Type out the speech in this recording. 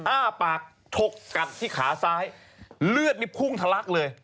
อ้าปากชกกัดที่ขาซ้ายเลือดนี่พุ่งทะลักเลย